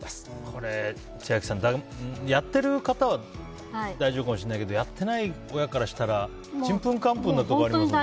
これ、千秋さん、やってる方は大丈夫かもしれないけどやってない親からしたらちんぷんかんぷんなところが。